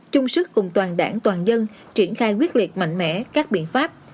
chung sức cùng toàn đảng toàn dân triển khai quyết liệt mạnh mẽ các biện pháp